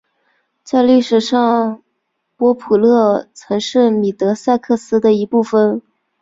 在历史上波普勒曾是米德塞克斯的一部分。